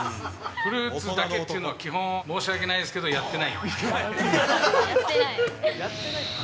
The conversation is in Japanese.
フルーツだけっていうのは基本、申し訳ないですけど、やってない。